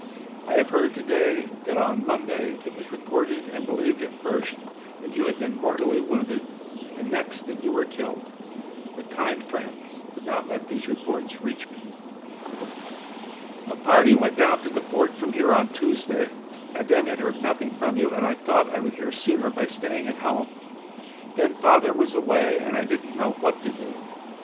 I have heard to day that on Monday it was reported and believed at first that you had been mortally wounded, and next that you were killed, but kind friends did not let those reports reach me. "A party went down to the fort from here on Tuesday. I then had heard nothing from you, and I thought I would hear sooner by staying at home. Then father was away, and I didn't know what to do.